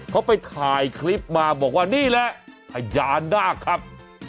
เขาไปถ่ายคลิปมาบอกว่านี่แหละพญานาคครับ